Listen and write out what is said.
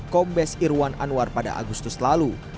kombes irwan anwar pada agustus lalu